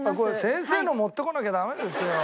先生の持ってこなきゃダメですよ。